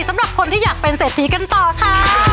สำหรับคนที่อยากเป็นเศรษฐีกันต่อค่ะ